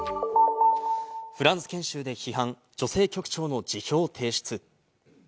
フランス研修で批判、女性局長の辞表提出。